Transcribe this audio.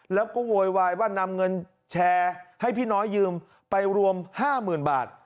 แล้วก็โวยวายว่านำเงินแชร์ให้พี่น้อยยืมไปรวม๕๐๐๐บาท